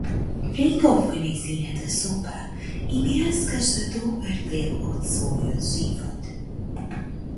Влегов во нејзината соба и ми раскажа добар дел од својот живот.